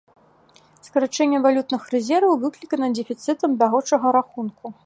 Скарачэнне валютных рэзерваў выклікана дэфіцытам бягучага рахунку.